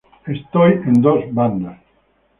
Estoy en dos bandas.